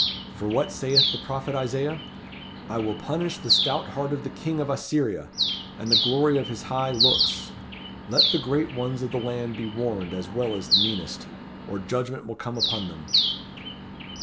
For what saith the prophet Isaiah? 'I will punish the stout heart of the King of Assyria, and the glory of his high looks.' Let the Great Ones of the land be warned as well as the meanest, or judgment will come upon them."